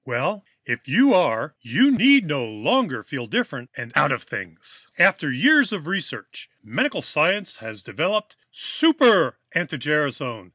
Well, if you are, you need no longer suffer, need no longer feel different and out of things. "After years of research, medical science has now developed Super anti gerasone!